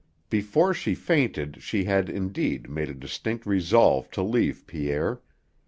Before she fainted she had, indeed, made a distinct resolve to leave Pierre.